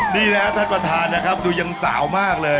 นี่แล้วท่านประธานนะครับดูยังสาวมากเลย